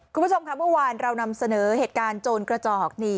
คุณผู้ชมค่ะเมื่อวานเรานำเสนอเหตุการณ์โจรกระจอกนี่